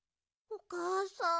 おかあさん！